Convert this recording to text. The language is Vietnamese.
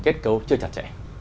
kết cấu chưa chặt chẽ